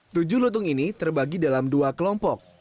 tujuh lutung ini terbagi dalam dua kelompok